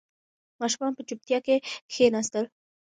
ماشومان په چوپتیا کې کښېناستل.